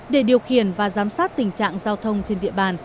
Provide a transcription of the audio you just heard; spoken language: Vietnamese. để điều khiển và giám sát tình trạng giao thông trên địa bàn